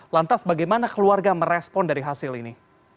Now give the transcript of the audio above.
lantas bagaimana keluarga merespon dari hasil ini